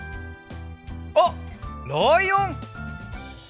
あっライオン！